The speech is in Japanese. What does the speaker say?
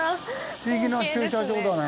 不思議な駐車場だね。